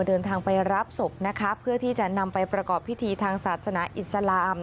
เดินทางไปรับศพนะคะเพื่อที่จะนำไปประกอบพิธีทางศาสนาอิสลาม